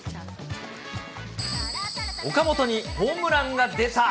岡本にホームランが出た。